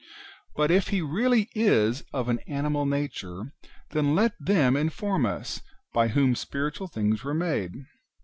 But if He really is of an animal nature, then let them inform us by whom spiritual things were made.